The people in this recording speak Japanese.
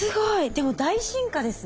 でも大進化ですね。